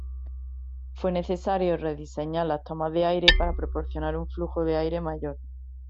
Fue necesario rediseñar las tomas de aire para proporcionar un flujo de aire mayor.